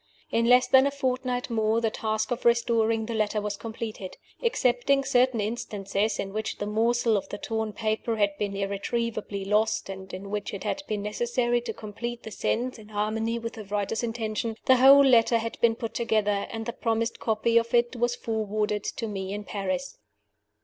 In less than a fortnight more the task of restoring the letter was completed. Excepting certain instances, in which the morsels of the torn paper had been irretrievably lost and in which it had been necessary to complete the sense in harmony with the writer's intention the whole letter had been put together; and the promised copy of it was forwarded to me in Paris.